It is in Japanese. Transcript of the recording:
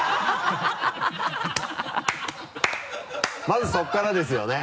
まずそこからですよね。